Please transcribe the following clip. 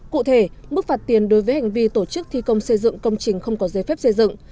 cụ thể mức phạt tiền đối với hành vi tổ chức thi công xây dựng công trình không có giấy phép xây dựng